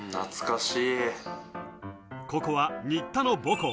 ここは新田の母校。